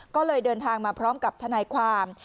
ก็เลยเดินทางมาพร้อมกับทนายความ